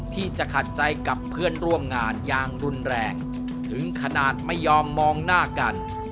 ที่จะขัดใจกับเพื่อนร่วมงานอย่างรุนแรงถึงขนาดไม่ยอมมองหน้ากัน